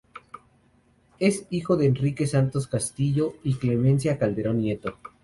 Es hijo de Enrique Santos Castillo y Clemencia Calderón Nieto.